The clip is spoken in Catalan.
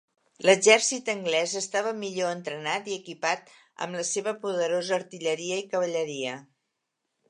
L'exèrcit anglès estava millor entrenat i equipat amb la seva poderosa artilleria i cavalleria.